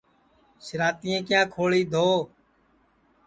سِنٚراتِئے کِیاں کھوݪیں دھووَ